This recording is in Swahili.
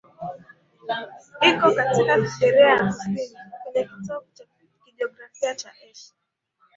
Iko katika Siberia ya kusini, kwenye kitovu cha kijiografia cha Asia.